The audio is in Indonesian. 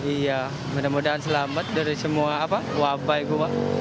iya mudah mudahan selamat dari semua wabai gue